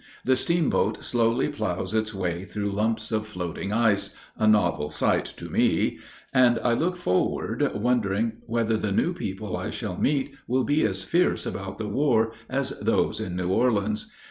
The steamboat slowly plows its way through lumps of floating ice, a novel sight to me, and I look forward wondering whether the new people I shall meet will be as fierce about the war as those in New Orleans.